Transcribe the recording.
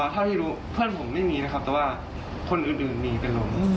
เท่าที่รู้เพื่อนผมไม่มีนะครับแต่ว่าคนอื่นมีเป็นลม